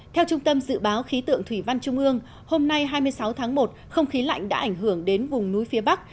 theo trung tâm dự báo khí tượng thủy văn trung ương hôm nay hai mươi sáu tháng một không khí lạnh đã ảnh hưởng đến vùng núi phía bắc